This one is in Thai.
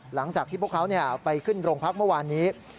หลังจากที่พวกเขาไปขึ้นโรงพักเมื่อวานนี้